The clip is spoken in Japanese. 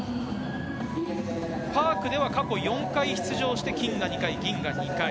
パークでは過去４回出場して金が２回、銀が２回。